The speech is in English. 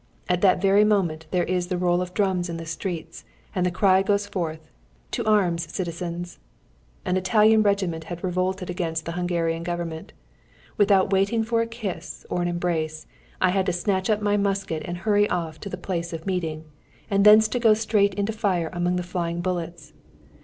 at that very moment there is the roll of drums in the streets, and the cry goes forth, "To arms, citizens!" An Italian regiment had revolted against the Hungarian Government. Without waiting for a kiss or an embrace, I had to snatch up my musket and hurry off to the place of meeting, and thence to go straight into fire among the flying bullets.